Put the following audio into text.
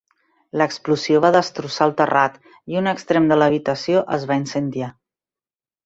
L'explosió va destrossar el terrat, i un extrem de l'habitació es va incendiar.